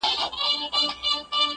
نر او ښځو به نارې وهلې خدایه.!